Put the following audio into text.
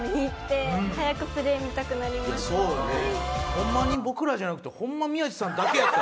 ホンマに僕らじゃなくてホンマ宮地さんだけやったよ。